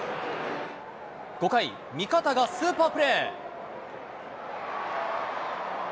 ５回、味方がスーパープレー。